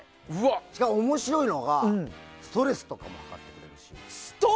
しかも面白いのがストレスとかも測ってくれる。